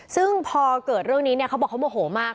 ซึ่งพอเกิดเรื่องนี้เนี่ยเขาบอกเขาโมโหมาก